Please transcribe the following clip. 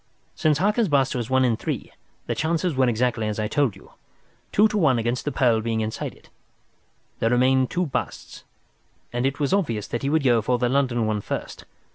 Since Harker's bust was one in three, the chances were exactly as I told you—two to one against the pearl being inside it. There remained two busts, and it was obvious that he would go for the London one first.